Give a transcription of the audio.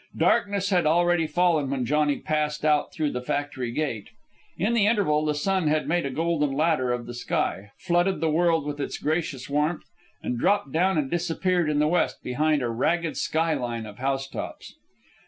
Darkness had already fallen when Johnny passed out through the factory gate. In the interval the sun had made a golden ladder of the sky, flooded the world with its gracious warmth, and dropped down and disappeared in the west behind a ragged sky line of housetops.